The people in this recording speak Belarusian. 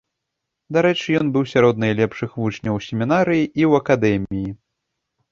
Дарэчы, ён быў сярод найлепшых вучняў і ў семінарыі, і ў акадэміі.